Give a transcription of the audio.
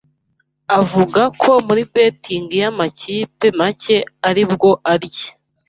Avuga ko muri Betting y’amakipe make aribwo arya